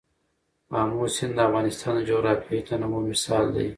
آمو سیند د افغانستان د جغرافیوي تنوع مثال دی.